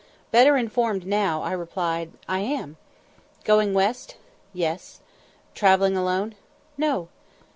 Better informed now, I replied, "I am." "Going west?" "Yes." "Travelling alone?" "No."